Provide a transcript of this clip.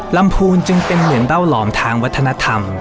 พูนจึงเป็นเหมือนเบ้าหลอมทางวัฒนธรรม